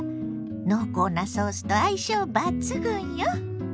濃厚なソースと相性抜群よ。